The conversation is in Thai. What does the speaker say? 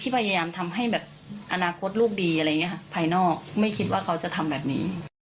พยายามทำให้อนาคตลูกดีภายนอกไม่คิดว่าเขาจะทำแบบนี้